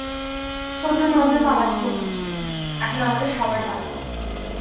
ছোট্ট নর্মের পালা ছিল প্রথমে, এখন আমাদের সবার পালা!